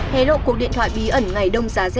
hè lộ cuộc điện thoại bí ẩn ngày đông giá z